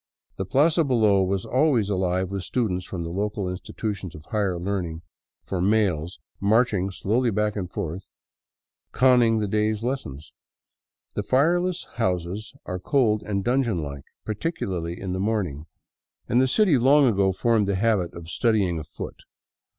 The plaza below was always alive with students from the local institutions of higher learning for males marching slowly back and forth conning the day's lessons. The fireless houses are cold and dungeon like, particularly in the morning, and the city 31 VAGABONDING DOWN THE ANDES long ago formed the habit of studying afoot.